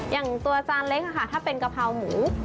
อย่างตัวจานเล็กค่ะถ้าเป็นกะเพราหมู